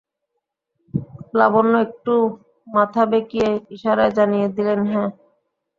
লাবণ্য একটু মাথা বেঁকিয়ে ইশারায় জানিয়ে দিলে, হাঁ।